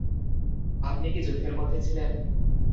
আপনি কি যুদ্ধের মধ্যে ছিলেন?